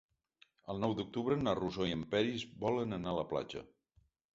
El nou d'octubre na Rosó i en Peris volen anar a la platja.